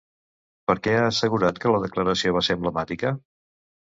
Per què ha assegurat que la declaració va ser emblemàtica?